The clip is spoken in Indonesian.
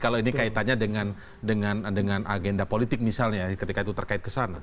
kalau ini kaitannya dengan agenda politik misalnya ketika itu terkait ke sana